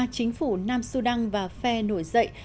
chính phủ nam sudan và phe nổi dậy